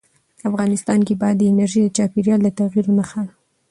افغانستان کې بادي انرژي د چاپېریال د تغیر نښه ده.